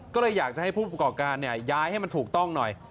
ก็เลยอยากจะให้ผู้ประกอบการย้ายให้มันถูกต้องหน่อย